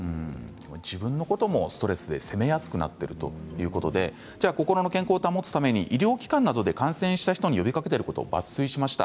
自分のこともストレスで責めやすくなっているということで心の健康を保つために医療機関などで感染した人に呼びかけていることを抜粋しました。